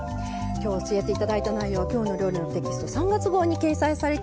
今日教えて頂いた内容は「きょうの料理」のテキスト３月号に掲載されています。